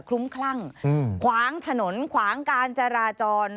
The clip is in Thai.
ลุ้มคลั่งขวางถนนขวางการจราจร